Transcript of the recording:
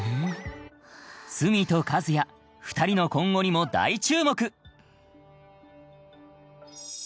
墨と和也２人の今後にも大注目！